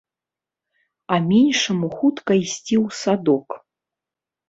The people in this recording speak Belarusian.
А меншаму хутка ісці ў садок.